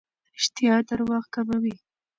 رښتیا درواغ کموي.